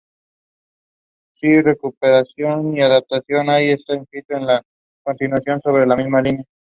Si recuperación o adaptación hay, está inscrito a la continuación sobre la misma línea.